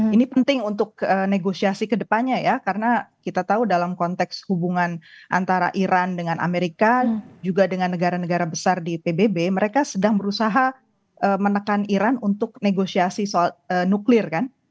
ini penting untuk negosiasi ke depannya ya karena kita tahu dalam konteks hubungan antara iran dengan amerika juga dengan negara negara besar di pbb mereka sedang berusaha menekan iran untuk negosiasi soal nuklir kan